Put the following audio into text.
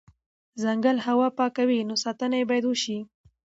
ځنګل هوا پاکوي، نو ساتنه یې بایدوشي